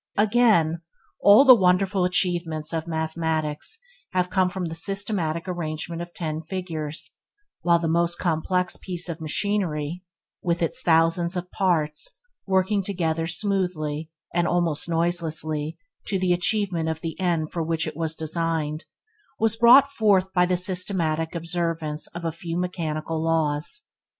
Again; all the wonderful achievements of mathematics have come from the systematic arrangement of ten figures; while the most complex piece of machinery, with its thousands of parts working together smoothly and almost noiselessly to the achievement of the end for which it was designed, was brought forth by the systematic observance of a few mechanical laws.